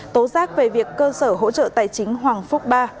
tố giác về việc cơ sở hỗ trợ tài chính hoàng phúc ba